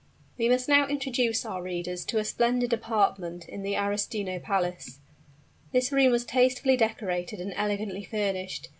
We must now introduce our readers to a splendid apartment in the Arestino Palace. This room was tastefully decorated and elegantly furnished.